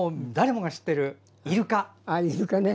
誰もが知ってる「いるか」。